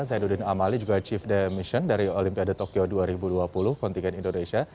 zaiduddin amali juga chief demission dari olimpiade tokyo dua ribu dua puluh kontinen indonesia